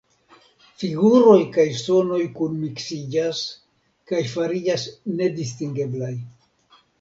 Figuroj kaj sonoj kunmiksiĝas kaj fariĝas nedistingeblaj.